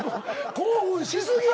興奮し過ぎや。